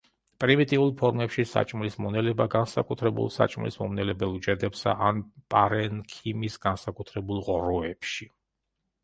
პრიმიტიულ ფორმებში საჭმლის მონელება განსაკუთრებულ საჭმლის მომნელებელ უჯრედებსა ან პარენქიმის განსაკუთრებულ ღრუებში.